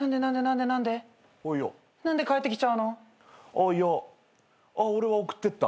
あっいや俺が送ってった。